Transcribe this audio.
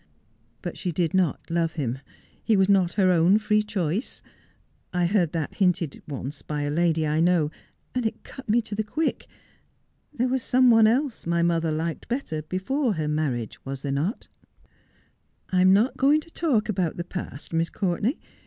' But she did not love him ; he was not her own free choice ? I heard that hinted once by a lady I know, and it cut me to the 2£0 Just as I Am. quick. There was some one else my mother liked better before her marriage, was there not 1 '' I am not going to talk about the past, Miss Courtenay.